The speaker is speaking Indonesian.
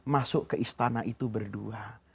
masuk ke istana itu berdua